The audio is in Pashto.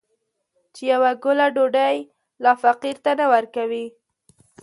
چې يوه ګوله ډوډۍ لا فقير ته نه ورکوي.